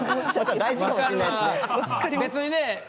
別にね